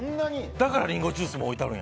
だからリンゴジュースも置いてあるんや。